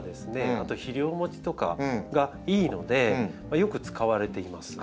あと肥料もちとかがいいのでよく使われています。